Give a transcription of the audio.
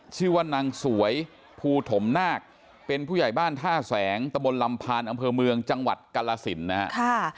ชื่อว่านางสวยภูถมนาคเป็นผู้ใหญ่บ้านท่าแสงตะบนลำพานอำเภอเมืองจังหวัดกาลสินนะครับ